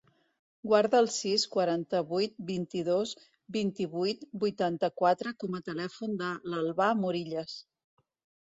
Guarda el sis, quaranta-vuit, vint-i-dos, vint-i-vuit, vuitanta-quatre com a telèfon de l'Albà Morillas.